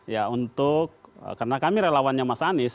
ya untuk karena kami relawannya mas anies